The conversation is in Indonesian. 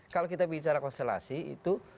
kalau kita bicara konstelasi itu